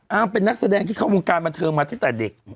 เป็นนักแสดงที่เข้าวงการบันเทิงมาตั้งแต่เด็ก